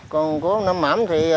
còn của ông nam mẩm thì